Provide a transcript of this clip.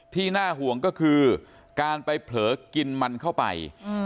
น่าห่วงก็คือการไปเผลอกินมันเข้าไป